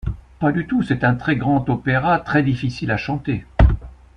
Pas du tout, c’est un très grand opéra, très difficile à chanter.